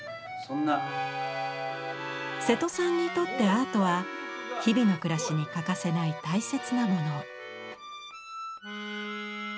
瀬戸さんにとってアートは日々の暮らしに欠かせない大切なもの。